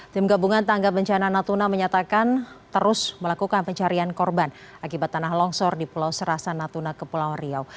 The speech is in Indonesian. tim gabungan tangga bencana natuna menyatakan terus melakukan pencarian korban akibat tanah longsor di pulau serasa natuna kepulauan riau